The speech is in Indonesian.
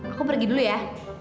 aku pergi dulu ya